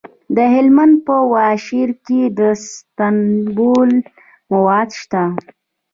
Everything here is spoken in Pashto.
د هلمند په واشیر کې د سمنټو مواد شته.